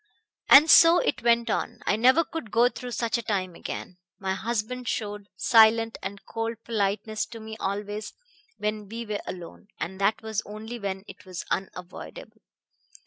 "And so it went on. I never could go through such a time again. My husband showed silent and cold politeness to me always when we were alone and that was only when it was unavoidable.